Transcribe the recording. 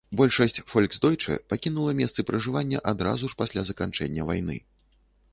Большасць фольксдойчэ пакінула месцы пражывання адразу ж пасля заканчэння войны.